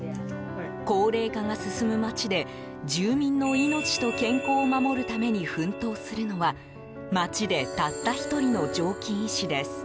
高齢化が進む町で、住民の命と健康を守るために奮闘するのは町でたった１人の常勤医師です。